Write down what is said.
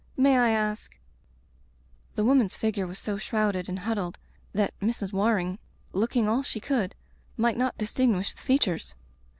May I ask " The woman's figure was so shrouded and huddled that Mrs. Waring, looking all she could, might not distinguish the features.